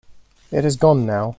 It has gone now.